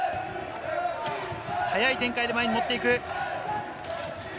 速い展開で前に持っていく。